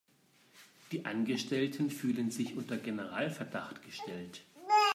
Die Angestellten fühlen sich unter Generalverdacht gestellt.